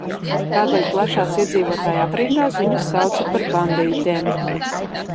Tādēļ plašās iedzīvotāju aprindās viņus sauca par bandītiem.